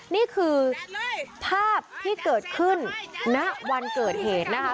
นี่คือภาพที่เกิดขึ้นณวันเกิดเหตุนะคะ